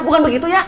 bukan begitu ya